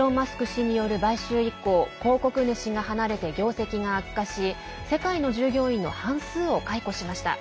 氏による買収以降広告主が離れて業績が悪化し世界の従業員の半数を解雇しました。